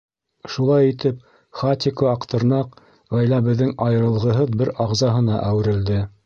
— Шулай итеп, Хатико-Аҡтырнаҡ ғаиләбеҙҙең айырылғыһыҙ бер ағзаһына әүерелде.